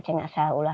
saya nggak tahu lah